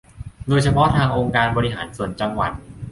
โดยเฉพาะทางองค์การบริหารส่วนจังหวัด